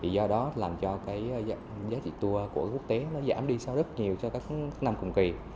do đó làm cho giá trị tour của quốc tế giảm đi rất nhiều cho các năm cùng kỳ